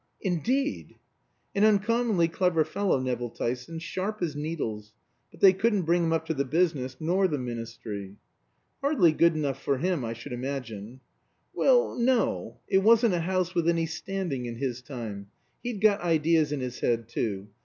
"Indeed." "An uncommonly clever fellow, Nevill Tyson; sharp as needles. But they couldn't bring him up to the business, nor the ministry." "Hardly good enough for him, I should imagine." "Well no. It wasn't a house with any standing in his time. He'd got ideas in his head, too.